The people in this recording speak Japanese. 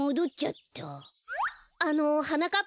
あのはなかっ